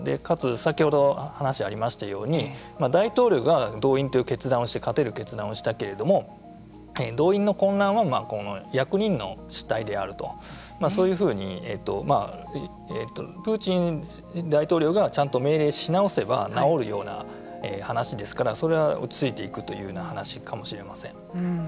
先ほど話がありましたように大統領が動員という決断をして勝てる決断をしたけれども動員の混乱は役人の失態であるそういうふうにプーチン大統領がちゃんと命令し直せば直るような話ですからそれは落ち着いていくというような話かもしれません。